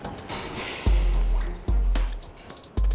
kamu udah berdua udah berdua udah berdua